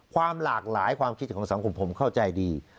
ความหลากหลายความคิดของสังคมผมเข้าใจดี